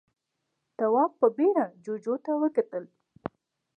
تواب په بيړه جُوجُو ته وکتل.